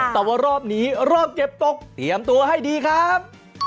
แต่ว่ารอบนี้รอบเก็บตกเตรียมตัวให้ดีครับ